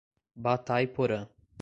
Batayporã